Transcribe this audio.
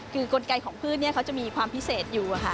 คือกลไกของพืชเขาจะมีความพิเศษอยู่